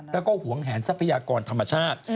แล้วก็หวงแหนทรัพยากรธรรมชาติ